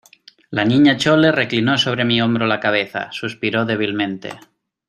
la Niña Chole reclinó sobre mi hombro la cabeza, suspiró débilmente